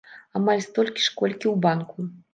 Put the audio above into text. Амаль столькі ж, колькі ў банку.